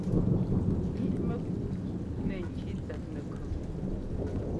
Ŋíʼ mɛkuu nɛ ŋki tsɛt nɛkʉn.